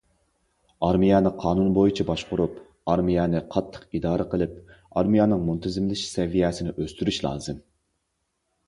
ئارمىيەنى قانۇن بويىچە باشقۇرۇپ، ئارمىيەنى قاتتىق ئىدارە قىلىپ، ئارمىيەنىڭ مۇنتىزىملىشىش سەۋىيەسىنى ئۆستۈرۈش لازىم.